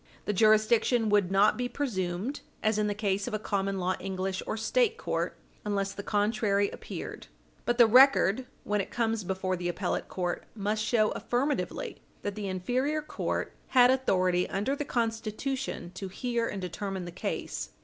The jurisdiction would not be presumed, as in the case of a common law English or State court, unless the contrary appeared. But the record, when it comes before the appellate court, must show affirmatively that the inferior court had authority under the Constitution to hear and determine the case.